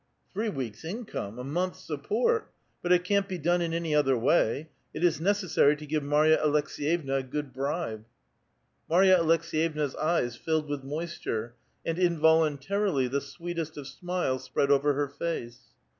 ("Three weeks' income, a month's support! But it can't be done in any other way. It is necessary to give Marya Aleks6yevna a good bribe.") Marya Aleks^yevna's eyes filled with moisture, and invol untarily the sweetest of smiles spread over her face.